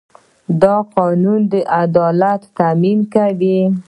دا قانون د عدالت تامین کوي.